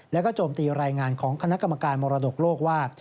แล้วก็โจมตีรายงานของคณะกรรมการมรดกโลกว่า